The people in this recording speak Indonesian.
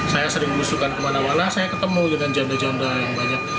saya sering berusukan kemana mana saya ketemu dengan janda janda yang banyak